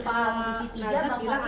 apakah pak fahri bisa memastikan bahwa